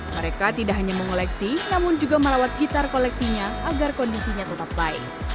mereka tidak hanya mengoleksi namun juga merawat gitar koleksinya agar kondisinya tetap baik